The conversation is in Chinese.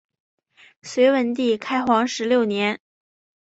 隋文帝开皇十六年。